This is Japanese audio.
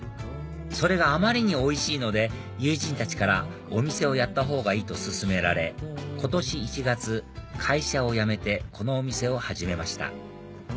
それがあまりにおいしいので友人たちからお店をやったほうがいいと勧められ今年１月会社を辞めてこのお店を始めました